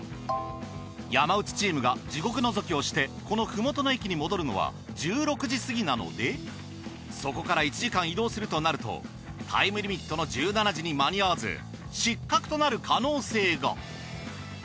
山内チームが地獄のぞきをしてこのふもとの駅に戻るのは１６時過ぎなのでそこから１時間移動するとなるとタイムリミットの１７時に間に合わず失格となる可能性が。